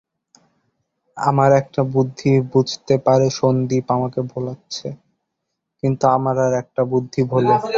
আমার একটা বুদ্ধি বুঝতে পারে সন্দীপ আমাকে ভোলাচ্ছে, কিন্তু আমার আর-একটা বুদ্ধি ভোলে।